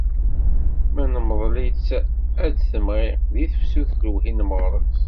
Ma nemḍel-itt ad d-temɣi, di tefsut lewhi n meɣres.